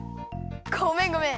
ごめんごめん！